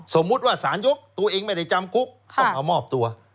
สมมุติว่าสารยกตัวเองไม่ได้จำคุกต้องเอามอบตัว